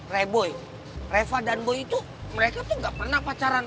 revoy reva dan boy itu mereka tuh gak pernah pacaran